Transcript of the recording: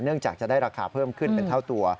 จากจะได้ราคาเพิ่มขึ้นเป็นเท่าตัว